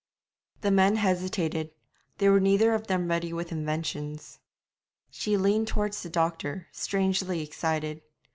The men hesitated. They were neither of them ready with inventions. She leaned towards the doctor, strangely excited.